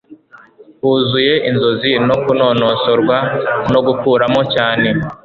Huzuye inzozi no kunonosorwa no gukuramo cyane